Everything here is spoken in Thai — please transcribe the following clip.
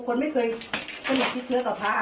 คนไม่เคยมีคิดเชื้อกับผ้า